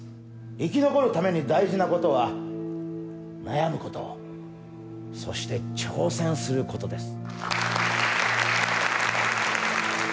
生き残るために大事な事は悩む事そして挑戦する事です。